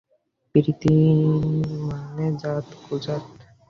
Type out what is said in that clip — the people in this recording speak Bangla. প্রীতি ন মানে জাত কুজাত।